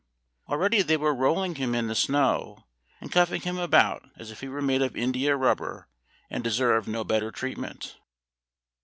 Already they were rolling him in the snow, and cuffing him about as if he were made of India rubber, and deserved no better treatment.